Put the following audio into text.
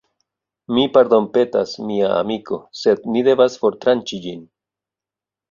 Mi pardonpetas, mia amiko sed ni devas fortranĉi ĝin